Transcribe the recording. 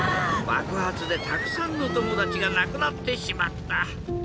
ばくはつでたくさんのともだちがなくなってしまった。